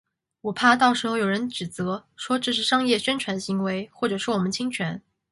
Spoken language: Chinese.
我怕到时候有人指责，说这是商业宣传行为或者说我们侵权